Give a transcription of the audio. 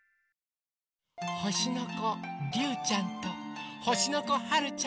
ほしのこりゅうちゃんとほしのこはるちゃん。